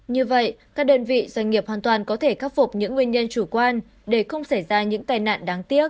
như vậy các đơn vị doanh nghiệp hoàn toàn có thể khắc phục những nguyên nhân chủ quan để không xảy ra những tai nạn đáng tiếc